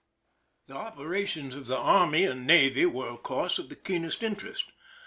The operations of the army and navy were, of course, of the keenest interest.